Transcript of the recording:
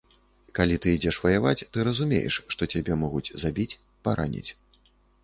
Калі ты ідзеш ваяваць, ты разумееш, што цябе могуць забіць, параніць.